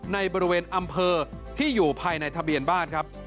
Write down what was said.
ในบริเวณอำเภอที่อยู่ภายในทะเบียนบ้านครับ